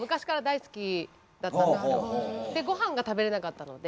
でごはんが食べれなかったので。